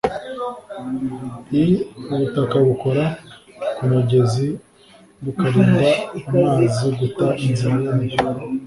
i Ubutaka bukora ku mugezi bukarinda amazi guta inzira yayo